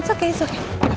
pak hai pak